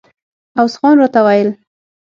عوض خان راته ویل.